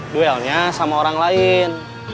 duelnya sama orang lain